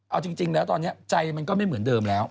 เอาจริงแล้วตอนนี้ใจมันก็ไม่เหมือนเดิมแล้ว